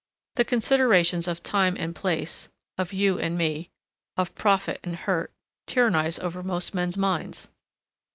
The considerations of time and place, of you and me, of profit and hurt tyrannize over most men's minds.